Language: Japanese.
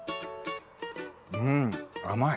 うん甘い！